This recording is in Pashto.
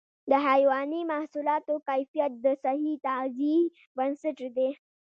د حيواني محصولاتو کیفیت د صحي تغذیې بنسټ دی.